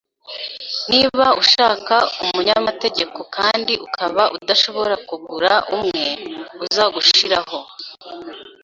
Niba ushaka umunyamategeko kandi ukaba udashobora kugura umwe, uzagushiraho.